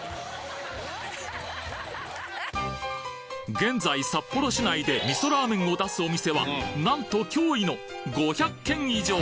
現在札幌市内で味噌ラーメンを出すお店はなんと驚異の５００軒以上！